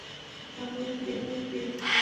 এটা আবার কী?